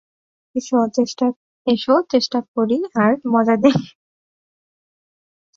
S, চেষ্টা করি আর মজা দেখি।